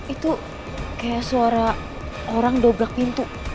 itu kayak suara orang dobrak pintu